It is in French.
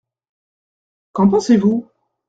Qu’en pensez-vous ?